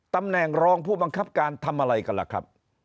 ตำแหน่งรองผู้บังคับการทำอะไรกันล่ะครับ